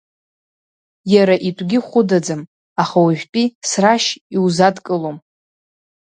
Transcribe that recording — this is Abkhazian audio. Иара итәгьы хәыдаӡам, аха уажәтәи срашь иузадкылом.